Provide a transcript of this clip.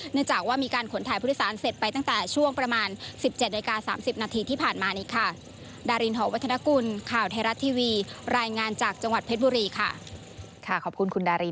เนื่องจากว่ามีการขนถ่ายผู้โดยสารเสร็จไป